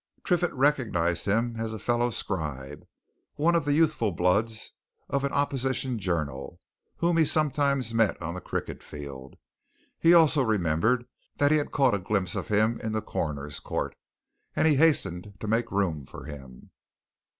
Triffitt recognized him as a fellow scribe, one of the youthful bloods of an opposition journal, whom he sometimes met on the cricket field; he also remembered that he had caught a glimpse of him in the Coroner's Court, and he hastened to make room for him.